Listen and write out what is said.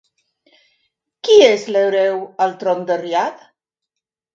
Qui és l'hereu al tron de Riad?